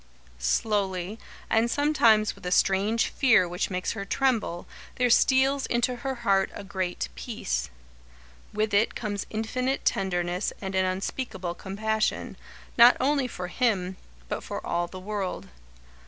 Slowly, and sometimes with a strange fear which makes her tremble, there steals into her heart a great peace. With it comes infinite tenderness and an unspeakable compassion, not only for him, but for all the world.